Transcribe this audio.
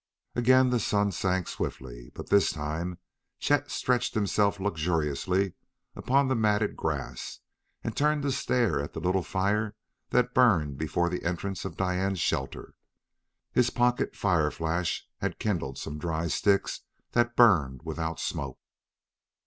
Again the sun sank swiftly. But this time, Chet stretched himself luxuriously upon the matted grass and turned to stare at the little fire that burned before the entrance of Diane's shelter. His pocket fireflash had kindled some dry sticks that burned without smoke.